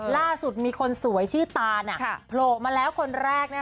ล่าสุดมีคนสวยชื่อตานโผล่มาแล้วคนแรก